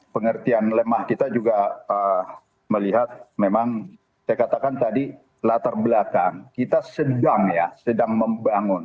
pengertian lemah kita juga melihat memang saya katakan tadi latar belakang kita sedang ya sedang membangun